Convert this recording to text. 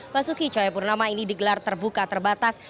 masuki coyapurnama ini digelar terbuka terbatas